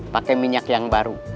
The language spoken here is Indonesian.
pakai minyak yang baru